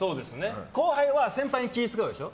後輩は先輩に気を使うでしょう。